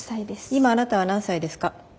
今あなたは何歳ですか？